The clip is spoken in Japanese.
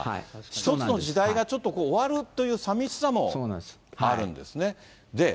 一つの時代がちょっと終わるというさみしさもあるんですね。